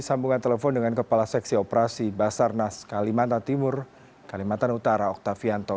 sambungan telepon dengan kepala seksi operasi basarnas kalimantan timur kalimantan utara oktavianto